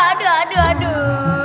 aduh aduh aduh